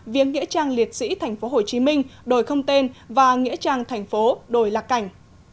viếng nghĩa trang liệt sĩ tp hcm đổi không tên và nghĩa trang thành phố đổi lạc cảnh